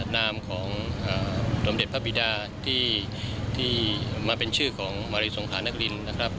นามของสมเด็จพระบิดาที่มาเป็นชื่อของมาริสงขานครินนะครับ